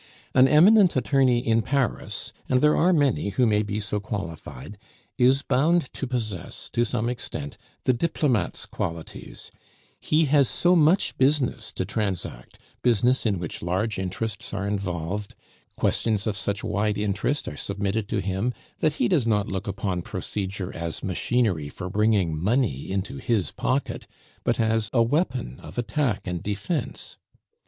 An eminent attorney in Paris, and there are many who may be so qualified, is bound to possess to some extent the diplomate's qualities; he had so much business to transact, business in which large interests are involved; questions of such wide interest are submitted to him that he does not look upon procedure as machinery for bringing money into his pocket, but as a weapon of attack and defence.